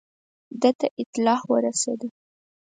ده ته اطلاع ورسېده.